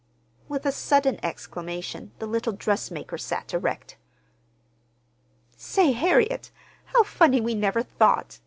With a sudden exclamation the little dressmaker sat erect. "Say, Harriet, how funny we never thought!